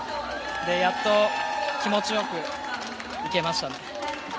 やっと気持ちよくいけました。